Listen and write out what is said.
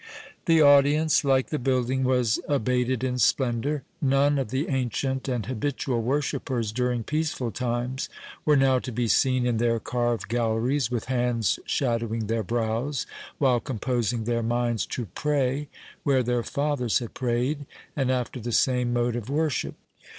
The audience, like the building, was abated in splendour. None of the ancient and habitual worshippers during peaceful times, were now to be seen in their carved galleries, with hands shadowing their brows, while composing their minds to pray where their fathers had prayed, and after the same mode of worship.